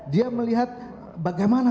dia melihat bagaimana